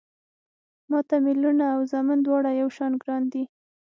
ما ته مې لوڼه او زامن دواړه يو شان ګران دي